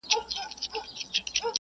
هر انسان ته درناوی وکړئ.